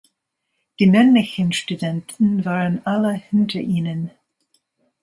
Die männlichen Studenten waren alle hinter ihnen.